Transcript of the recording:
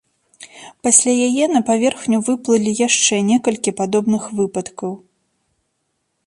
Пасля яе на паверхню выплылі яшчэ некалькі падобных выпадкаў.